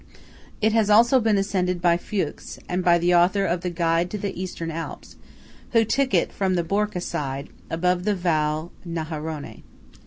It has also been ascended by Fuchs, and by the author of the "Guide to the Eastern Alps," who took it from the Borca side, above the Val Najarone.